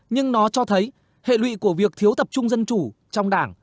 nhưng nó cho thấy hệ lụy của việc thiếu tập trung dân chủ trong đảng